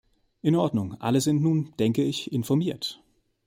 In Ordnung, alle sind nun, denke ich, informiert.